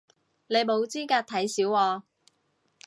你冇資格睇小我